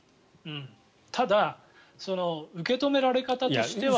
ただ受け止められ方としては。